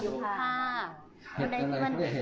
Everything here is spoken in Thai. ตอนนี้ก็ไม่มีอัศวินทรีย์